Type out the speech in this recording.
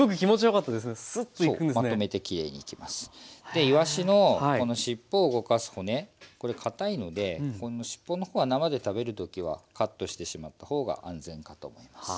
でいわしのこの尻尾を動かす骨これかたいので尻尾の方は生で食べる時はカットしてしまった方が安全かと思います。